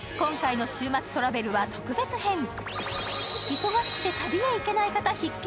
忙しくて旅へ行けない方必見！